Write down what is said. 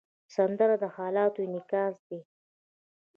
سندره د حالاتو انعکاس دی